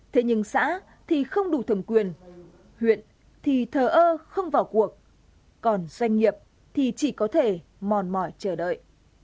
thế nhưng xã thì không đủ thẩm quyền huyện thì thờ ơ không vào cuộc còn doanh nghiệp thì chỉ có thể mòn mỏi chờ đợi